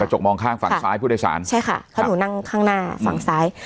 จกมองข้างฝั่งซ้ายผู้โดยสารใช่ค่ะเพราะหนูนั่งข้างหน้าฝั่งซ้าย